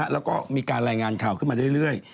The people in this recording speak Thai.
แล้วก็มีการรายงานข่าวขึ้นมาเรื่อย